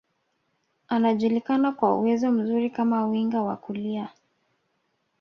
Anajulikana kwa uwezo mzuri kama winga wa kulia